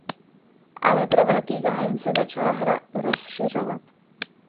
Ale pro velký zájem se začala hra rozšiřovat.